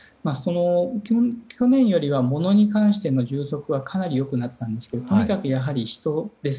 去年よりは物に関しての充足はかなりよくなったんですけどとにかく、やはり人です。